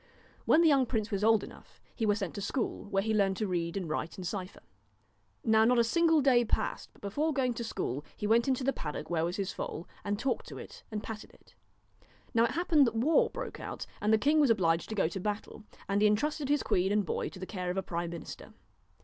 When the young prince was old enough, he was sent to school, where he learned to read and write and cypher. Now not a single day passed but before going to school he went into the paddock where was his foal, and talked to it and patted it. Now it happened that war broke out, and the king was obliged to go to battle, and he intrusted his queen and boy to the care of a prime minister.